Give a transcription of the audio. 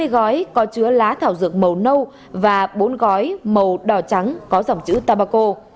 hai mươi gói có chứa lá thảo dược màu nâu và bốn gói màu đỏ trắng có dòng chữ tabaco